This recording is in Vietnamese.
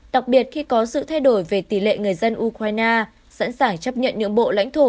đặc biệt khi có sự thay đổi về tỷ lệ người dân ukraine sẵn sàng chấp nhận nhượng bộ lãnh thổ